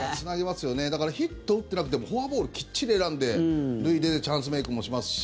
だから、ヒットを打ってなくてもフォアボールきっちり選んで塁に出てチャンスメイクもしますし。